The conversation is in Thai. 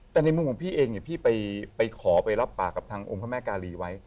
แต่ในมุมผมอีกพี่ไปขอรับปากกัพทางองค์พระแม่กาลีไว้